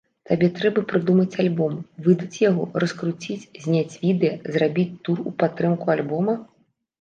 Табе трэба прыдумаць альбом, выдаць яго, раскруціць, зняць відэа, зрабіць тур у падтрымку альбома?